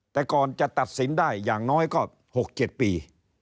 แต่ก่อนจะตัดสินได้อย่างน้อยก็๖๗ปี